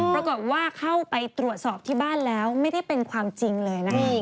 ปรากฏว่าเข้าไปตรวจสอบที่บ้านแล้วไม่ได้เป็นความจริงเลยนะคะ